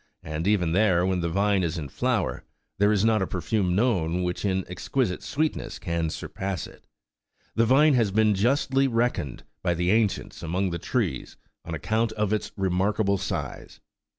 and even there, when the vine is in flower, there is not a per fume known which in exquisite sweetness can surpass it. The vine has been justly reckoned11 by the ancients among the trees, on account of its remarkable size.